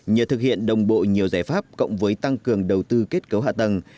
nhờ thực hiện đồng bộ nhiều giải pháp cộng với tăng cường đầu tư kết cấu hạ tầng